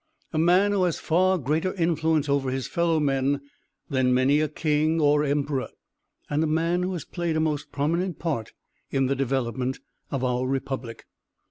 A man who has far greater influence over his fellow men than many a king or emperor, and a man who has played a most prominent part in the development of our Republic.